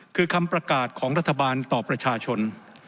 คือคำประกาศของรัฐบาลต่อประชาชน